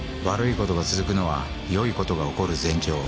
悪いことが続くのは良いことが起こる前兆